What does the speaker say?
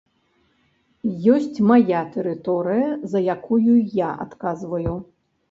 Ёсць мая тэрыторыя, за якую я адказваю.